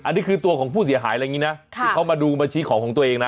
อันนี้คือตัวของผู้เสียหายอะไรอย่างนี้นะที่เขามาดูมาชี้ของของตัวเองนะ